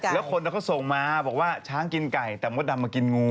แล้วคนก็ส่งมาบอกว่าช้างกินไก่แต่มดดำมากินงู